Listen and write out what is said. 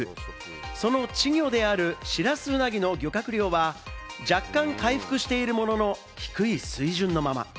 その稚魚であるシラスウナギの漁獲量は若干回復しているものの、低い水準のまま。